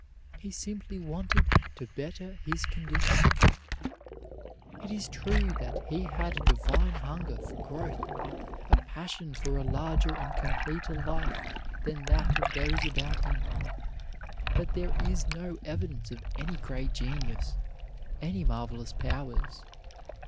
He simply wanted to better his condition. It is true that he had a divine hunger for growth, a passion for a larger and completer life than that of those about him; but there is no evidence of any great genius, any marvelous powers.